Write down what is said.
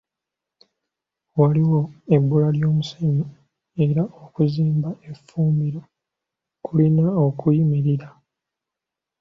Waliwo ebbula ly'omusenyu era okuzimba effumbiro kulina okuyimirira.